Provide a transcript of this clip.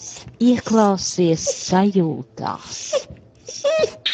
Ieklausies sajūtās.